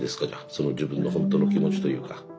その自分のほんとの気持ちというか。